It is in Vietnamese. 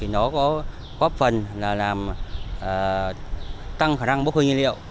nó có góp phần là làm tăng khả năng bốc hơi nhiên liệu